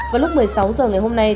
vào lúc một mươi sáu h ngày hôm nay